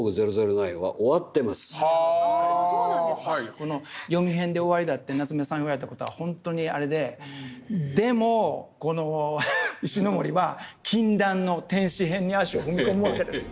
この「ヨミ編」で終わりだって夏目さん言われた事は本当にあれででも石森は「禁断の天使編」に足を踏み込むわけですよ。